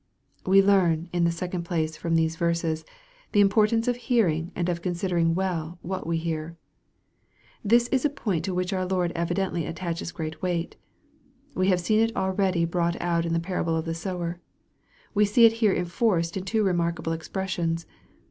We learn, in the second place, from these verses, ths importance of hearing, and of considering well what we hear. This is a point to which our Lord evidently attaches great weight. We have seen it already brought out in the parable of the sower. We see it here enforced in two remarkable expressions.